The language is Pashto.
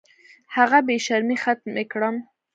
هغه بې شرمۍ ختمې کړم.